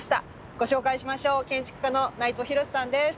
ご紹介しましょう建築家の内藤廣さんです。